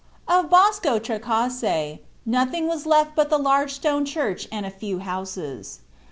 Of Bosco Trecase nothing was left but the large stone church and a few houses.